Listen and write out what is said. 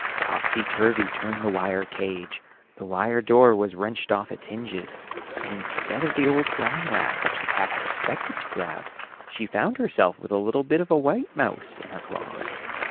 Topsy turvy turned the wire cage; the wire door was wrenched off its hinges, and instead of the old brown rat which the cat expected to grab, she found herself with a little bit of a white mouse in her claws.